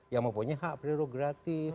yang mempunyai hak prerogatif